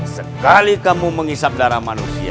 sekali kamu menghisap darah manusia